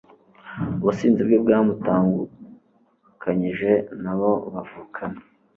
ubusinzi bwe bwamutangukanyije nabo bavukana